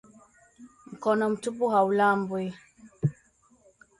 Mkono mtupu haulambwi